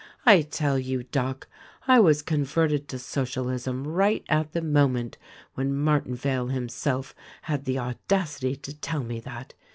"I tell you, Doc, I was converted to Socialism right at the moment when Martinvale himself had the audacity to tell me that.